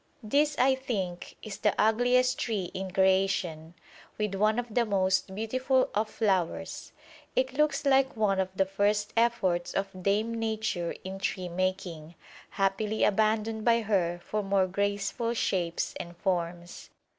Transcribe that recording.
This, I think, is the ugliest tree in creation, with one of the most beautiful of flowers: it looks like one of the first efforts of Dame Nature in tree making, happily abandoned by her for more graceful shapes and forms.